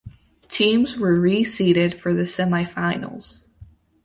Teams were reseeded for the semifinals